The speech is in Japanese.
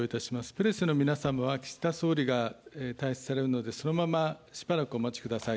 プレスの皆さんは岸田総理が退室されるのでそのまましばらくお待ちください。